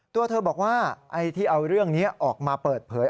ตัวเธอบอกว่าไอ้ที่เอาเรื่องนี้ออกมาเปิดเผย